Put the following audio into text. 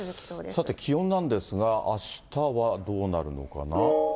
さて気温なんですが、あしたはどうなるのかな。